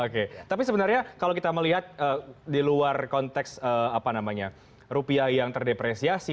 oke tapi sebenarnya kalau kita melihat di luar konteks apa namanya rupiah yang terdepresiasi